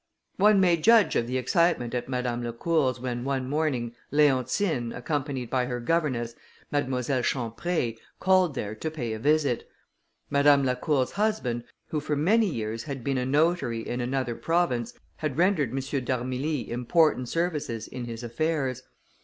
One may judge of the excitement at Madame Lacour's, when one morning, Leontine, accompanied by her governess, Mademoiselle Champré, called there to pay a visit. Madame Lacour's husband, who for many years had been a notary in another province, had rendered M. d'Armilly important services in his affairs.